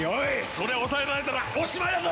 それ抑えられたらおしまいだぞ！